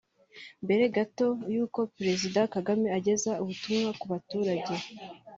Mbere gato y’uko Perezida Kagame ageza ubutumwa ku baturage